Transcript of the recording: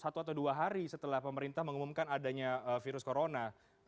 satu atau dua hari setelah pemerintah mengumumkan adanya virus corona